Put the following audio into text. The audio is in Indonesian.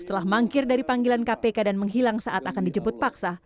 setelah mangkir dari panggilan kpk dan menghilang saat akan dijemput paksa